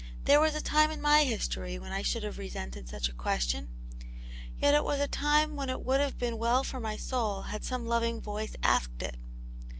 " There was a time in my history when I should have resented such a question ; yet it was a time when it would have been well for my soul had some loving voice asked it.